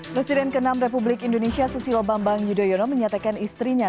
presiden ke enam republik indonesia susilo bambang yudhoyono menyatakan istrinya